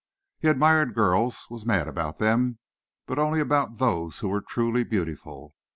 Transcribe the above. He admired girls, was mad about them, but only about those who were truly beautiful.